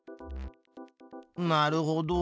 なるほど。